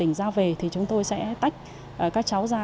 tỉnh ra về thì chúng tôi sẽ tách các cháu ra